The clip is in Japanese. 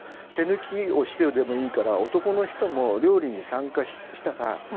手抜きをしてでもいいから男の人も料理に参加したら。